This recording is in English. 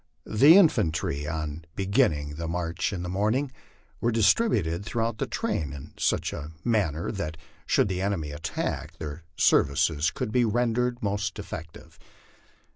The infantry on beginning the march in the morning were distributed throughout the train in such manner that should the enemy attack, their services could be rendered most effective.